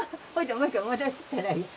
もう一回戻したらいい。